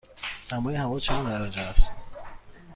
دمای هوا چند درجه است؟